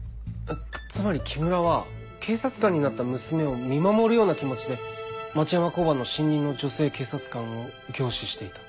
つまり木村は警察官になった娘を見守るような気持ちで町山交番の新任の女性警察官を凝視していた。